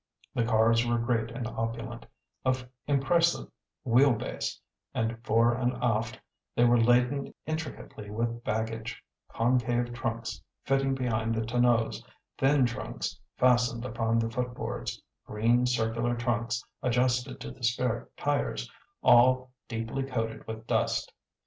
The cars were great and opulent, of impressive wheel base, and fore and aft they were laden intricately with baggage: concave trunks fitting behind the tonneaus, thin trunks fastened upon the footboards, green, circular trunks adjusted to the spare tires, all deeply coated with dust.